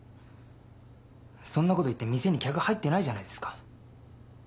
そんなこと言って店に客入ってないじゃないですか。